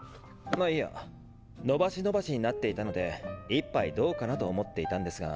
あいや延ばし延ばしになっていたので一杯どうかなと思っていたんですが。